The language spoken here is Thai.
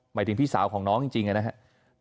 หมายถึงพี่สาวของน้องจริงนะครับ